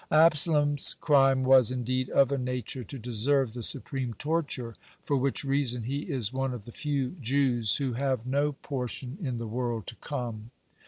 (104) Absalom's crime was, indeed, of a nature to deserve the supreme torture, for which reason he is one of the few Jews who have no portion in the world to come.